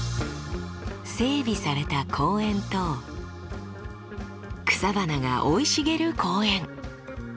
整備された公園と草花が生い茂る公園。